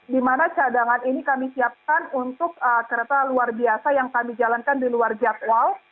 di mana cadangan ini kami siapkan untuk kereta luar biasa yang kami jalankan di luar jadwal